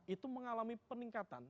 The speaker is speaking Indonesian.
itu mengalami peningkatan